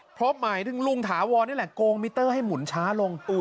เพราะหมายถึงลุงถาวรนี่แหละโกงมิเตอร์ให้หมุนช้าลง